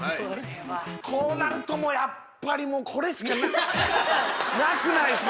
こうなるともうやっぱりもうこれしかないなくないですか？